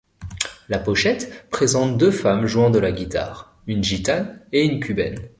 La pochette présente deux femmes jouant de la guitare, une gitane et une cubaine.